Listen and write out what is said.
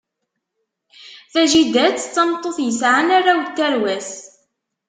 Tajidat d tameṭṭut yesɛan arraw n tarwa-s.